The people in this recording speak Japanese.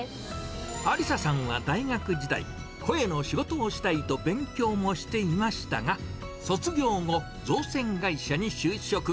ありささんは大学時代、声の仕事をしたいと勉強もしていましたが、卒業後、造船会社に就職。